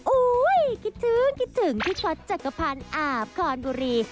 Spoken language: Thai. คิดถึงคิดถึงพี่ช็อตจักรพันธ์อาบคอนบุรี